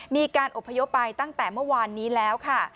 มีการอบพยพไปตั้งแต่เมื่อวานนี้แล้วค่ะ